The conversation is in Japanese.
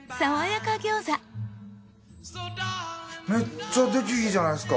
めっちゃできいいじゃないですか。